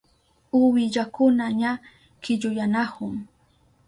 Uwillakuna ña killuyanahun.